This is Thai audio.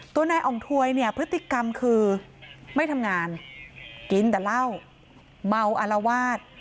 ตัวนายอ่องถวยพฤติกรรมคือไม่ทำงานกินแต่เล่าเมาอลวาส